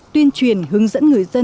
tuyên truyền hướng dẫn người dân